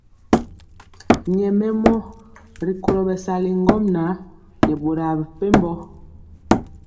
Nyɛmemɔ rikolo bɛsali ŋgomnaŋ nɛ boro mepempɔ.